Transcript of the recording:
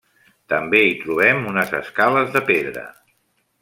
També hi trobem unes escales de pedra.